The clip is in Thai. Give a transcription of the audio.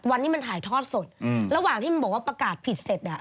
วันนี้มันถ่ายทอดสดอืมระหว่างที่มันบอกว่าประกาศผิดเสร็จอ่ะ